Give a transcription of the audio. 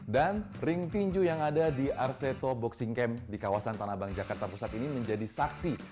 dan ring tinju yang ada di arseto boxing camp di kawasan tanabang jakarta pusat ini menjadi saksi